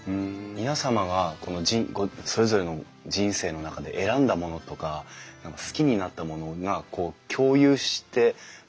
皆様がそれぞれの人生の中で選んだものとか好きになったものがこう共有して交わって